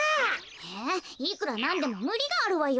えいくらなんでもむりがあるわよ。